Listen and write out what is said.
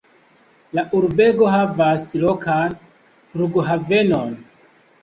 La urbego havas lokan flughavenon.